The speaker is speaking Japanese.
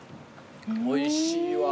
おいしいわ。